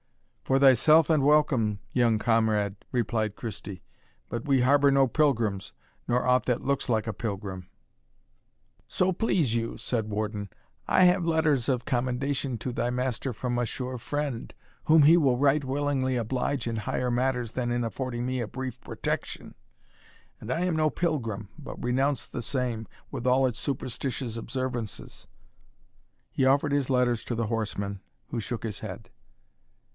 "For thyself and welcome, young comrade," replied Christie; "but we harbour no pilgrims, nor aught that looks like a pilgrim." "So please you," said Warden, "I have letters of commendation to thy master from a sure friend, whom he will right willingly oblige in higher matters than in affording me a brief protection. And I am no pilgrim, but renounce the same, with all its superstitious observances." He offered his letters to the horseman, who shook his head.